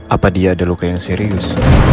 apa dia ada luka yang serius